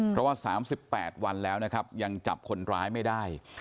เพราะว่า๓๘วันแล้วนะครับยังจับคนร้ายไม่ได้